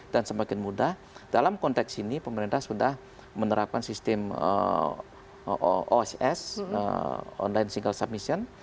dan semakin mudah dalam konteks ini pemerintah sudah menerapkan sistem oss online single submission